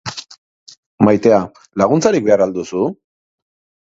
Maitea, laguntzarik behar al duzu?